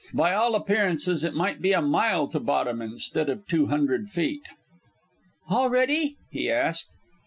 By all appearances it might be a mile to bottom instead of two hundred feet. "All ready?" he asked.